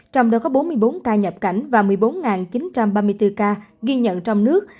trong đó có bốn mươi bốn ca nhập cảnh và một mươi bốn chín trăm ba mươi bốn ca ghi nhận trong nước